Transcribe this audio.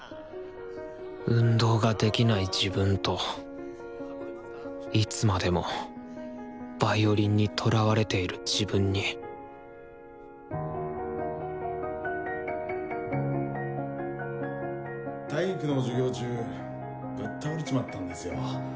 運動ができない自分といつまでもヴァイオリンにとらわれている自分に体育の授業中ぶっ倒れちまったんですよ。